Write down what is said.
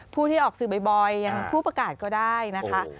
ผู้ที่ออกสื่อบ่อยอย่างผู้ประกาศก็ได้นะคะ